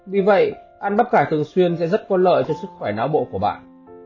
vì vậy ăn bắp cải thường xuyên sẽ rất có lợi cho sức khỏe não bộ của bạn